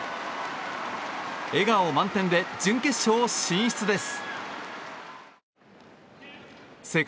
笑顔満点で準決勝進出です。